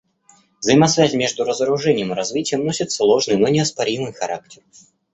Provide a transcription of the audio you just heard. Взаимосвязь между разоружением и развитием носит сложный, но неоспоримый характер.